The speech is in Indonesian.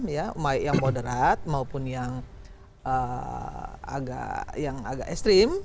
ya baik yang moderat maupun yang agak ekstrim